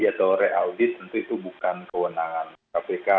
atau re audit tentu itu bukan kewenangan kpk